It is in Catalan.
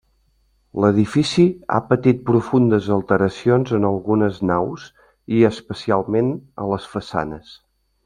L'edifici ha patit profundes alteracions en algunes naus, i especialment a les façanes.